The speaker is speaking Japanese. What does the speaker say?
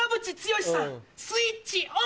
スイッチオン！